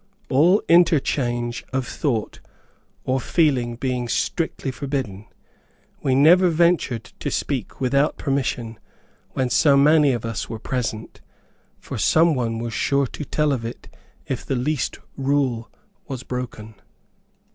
All interchange of thought or feeling being strictly forbidden, we never ventured to speak without permission when so many of us were present, for some one was sure to tell of it if the least rule was broken.